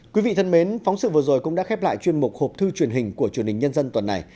quý vị thân mến phóng sự vừa rồi cũng đã khép lại chuyên mục hộp thư truyền hình của truyền hình nhân dân tuần này